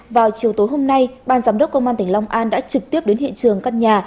vào chiều tối hôm nay ban giám đốc công an tỉnh long an đã trực tiếp đến hiện trường căn nhà